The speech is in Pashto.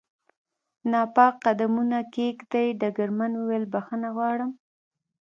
ناپاک قدمونه کېږدي، ډګرمن وویل: بخښنه غواړم.